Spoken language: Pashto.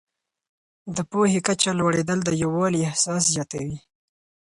د پوهې کچه لوړېدل د یووالي احساس زیاتوي.